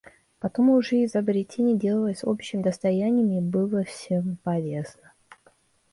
Потом уже изобретение делалось общим достоянием и было всем полезно.